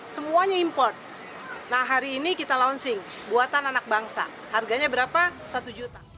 semuanya berdasarkan clock base dan itu sudah kita test dan trial